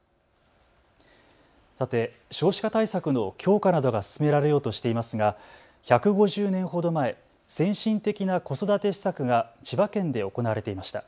さて少子化対策の強化などが進められようとしていますが１５０年ほど前、先進的な子育て施策が千葉県で行われていました。